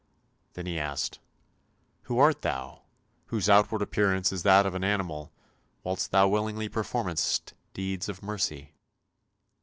" Then he asked "Who art thou? whose outward appearance is that of an animal, whilst thou willingly performest deeds of mercy?